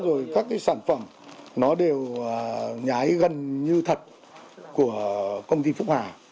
rồi các cái sản phẩm nó đều nhái gần như thật của công ty phúc hà